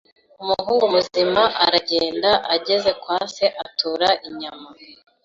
Umuhungu muzima aragenda ageze kwa se atura inyama